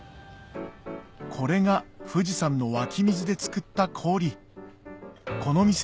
これが富士山の湧き水で作った氷この店